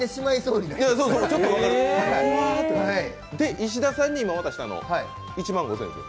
石田さんに渡したの１万５０００円です。